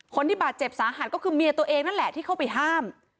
คนที่บาดเจ็บสาหัสก็คือเมียตัวเองนั่นแหละที่เข้าไปห้าม